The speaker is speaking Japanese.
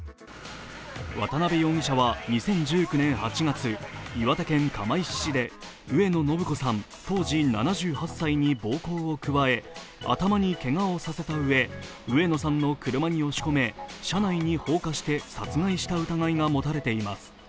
渡部容疑者は２０１９年８月、岩手県釜石市で上野誠子さん当時７８歳に暴行を加え、頭にけがをさせたうえ上野さんの車に押し込め、車内に放火して殺害した疑いが持たれています。